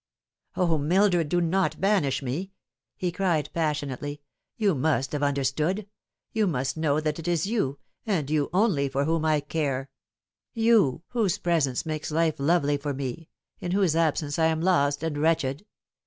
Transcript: " O, Mildred, do not banish me !" he cried passionately. " You must have understood. You must know that it is you, and you only, for whom I care ; you whose presence makes life lovely for me, in whose absence I am lost and wretched.